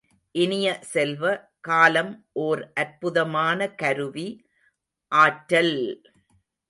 இனிய செல்வ, காலம் ஓர் அற்புதமான கருவி, ஆற்றல்!